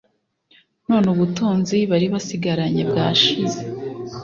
None ubutunzi bari basigaranye bwashize